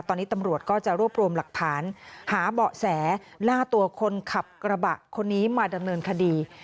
ตอนนี้ตำรวจก็จะรวบรวมหลักฐานหาเบาะแสล่าตัวคนขับกระบะคนนี้มาดำเนินคดี